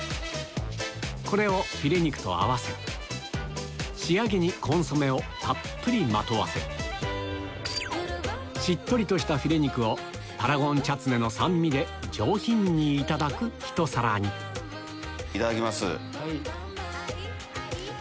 これをフィレ肉と合わせ仕上げにコンソメをたっぷりまとわせるしっとりとしたフィレ肉をタラゴンチャツネの酸味で上品にいただくひと皿にいただきます。